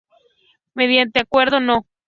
Mediante acuerdo no°.